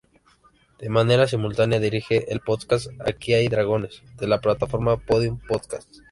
De manera simultánea, dirige el podcast "Aquí hay dragones", de la plataforma Podium Podcast.